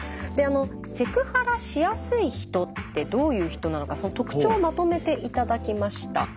でセクハラしやすい人ってどういう人なのかその特徴をまとめて頂きました。